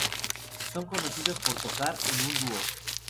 Son conocidos por tocar en un dúo.